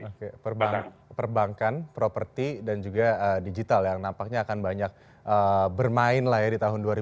oke perbankan properti dan juga digital yang nampaknya akan banyak bermain lah ya di tahun dua ribu dua puluh